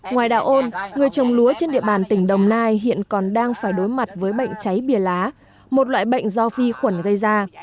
ngoài đạo ôn người trồng lúa trên địa bàn tỉnh đồng nai hiện còn đang phải đối mặt với bệnh cháy bìa lá một loại bệnh do vi khuẩn gây ra